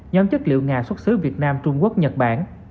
nhóm chất liệu nga xuất xứ việt nam trung quốc nhật bản